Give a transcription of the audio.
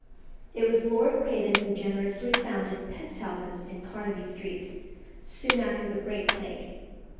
It was Lord Craven who generously founded pest houses in Carnaby Street, soon after the Great Plague.